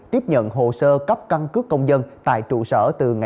tiếp nhận hồ sơ cấp căn cứ công dân